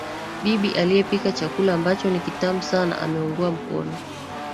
Bibi aliyepika chakula ambacho ni kitamu sana ameugua mkono.